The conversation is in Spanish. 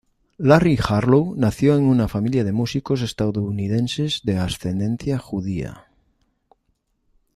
Larry Harlow nació en una familia de músicos estadounidenses de ascendencia judía.